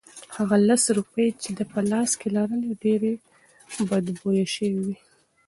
هغه لس روپۍ چې ده په لاس کې لرلې ډېرې بدبویه شوې وې.